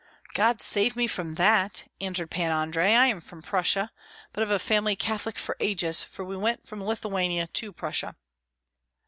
"God save me from that," answered Pan Andrei. "I am from Prussia, but of a family Catholic for ages, for we went from Lithuania to Prussia."